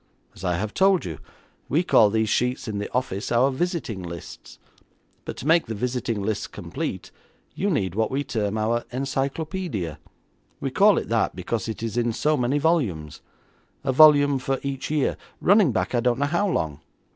As I have told you, we call these sheets in the office our visiting lists, but to make the visiting lists complete you need what we term our encyclopaedia. We call it that because it is in so many volumes; a volume for each year, running back I don't know how long.